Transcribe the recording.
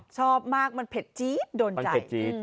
ชอบมากมันเผ็ดจี๊ดโดนใจ